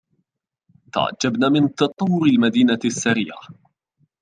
تعجبنا من تطور المدينة السريع.